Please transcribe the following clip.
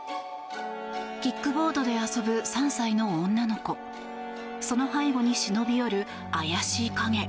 キックボードで遊ぶ３歳の女の子その背後に忍び寄る怪しい影。